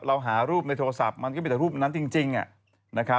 เราหารูปในโทรศัพท์มันก็มีแต่รูปนั้นจริง